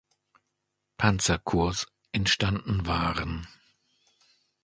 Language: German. Panzerkorps entstanden waren.